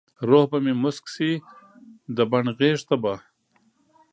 روح به مې موسک شي د بڼ غیږته به ،